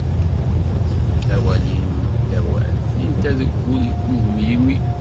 Awal-im d awal, yenta deg ul, yeggugem yimi.